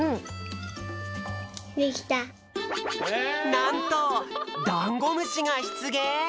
なんとダンゴムシがしゅつげん！